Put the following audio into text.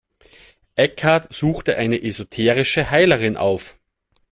Eckhart suchte eine esoterische Heilerin auf.